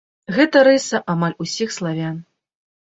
Гэта рыса амаль усіх славян.